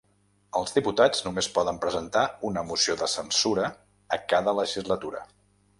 Els diputats només poden presentar una moció de censura a cada legislatura.